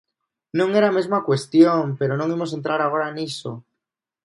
Non era a mesma cuestión, pero non imos entrar agora niso.